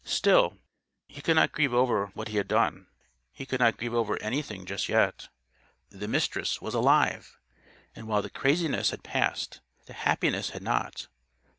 Still, he could not grieve over what he had done. He could not grieve over anything just yet. The Mistress was alive! And while the craziness had passed, the happiness had not.